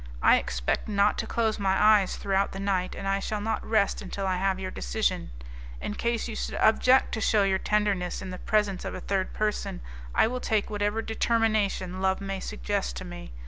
I expect not to close my eyes throughout the night, and I shall not rest until I have your decision. In case you should object to shew your tenderness in the presence of a third person, I will take whatever determination love may suggest to me.